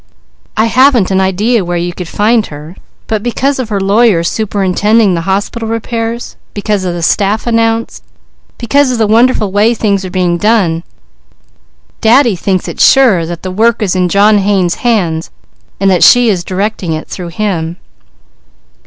"I haven't an idea where you could find her; but because of her lawyer superintending the hospital repairs, because of the wonderful way things are being done, Daddy thinks it's sure that the work is in John Haynes' hands, and that she is directing it through him."